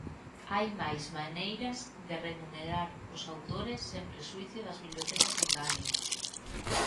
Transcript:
"Hai máis maneiras de remunerar os autores sen prexuízo das bibliotecas", engade.